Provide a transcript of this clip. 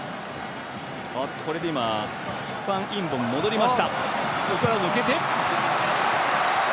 これで今ファン・インボム戻りました。